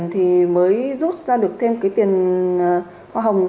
thì mới rút ra được thêm cái tiền hoa hồng sau đấy